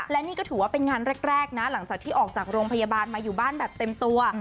และนี่ก็ถือว่าเป็นงานแรกนะหลังจากที่ออกจากโรงพยาบาลมาอยู่บ้านแบบเต็มตัว